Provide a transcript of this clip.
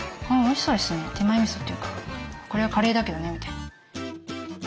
手前みそっていうかこれはカレーだけどねみたいな。